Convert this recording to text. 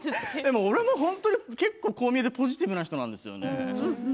俺も本当に結構こう見えてポジティブな人なんですよね。